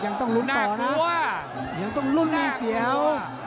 ยังต้องรุ่นต่อนะยังต้องรุ่นมีเสียว